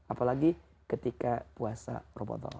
apalagi ketika puasa ramadan